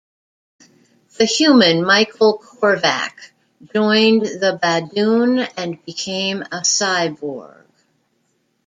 The human Michael Korvac, joined the Badoon and became a cyborg.